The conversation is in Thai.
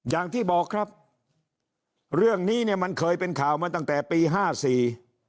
อย่างที่บอกครับเรื่องนี้มันเคยเป็นข่าวมาตั้งแต่ปี๕๔